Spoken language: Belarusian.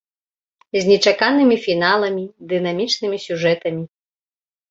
З нечаканымі фіналамі, дынамічнымі сюжэтамі.